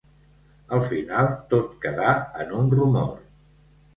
Al final tot quedà en un rumor.